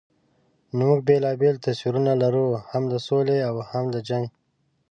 نو موږ بېلابېل تصویرونه لرو، هم د سولې او هم د جنګ.